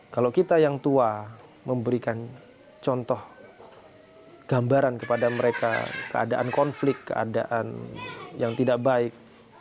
kalau kita yang tua memberikan contoh gambaran kepada mereka keadaan konflik keadaan yang tidak baik